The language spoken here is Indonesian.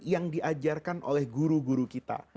yang diajarkan oleh guru guru kita